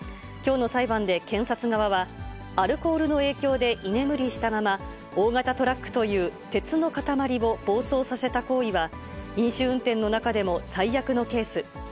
きょうの裁判で、検察側は、アルコールの影響で居眠りしたまま、大型トラックという鉄の塊を暴走させた行為は、飲酒運転の中でも最悪のケース。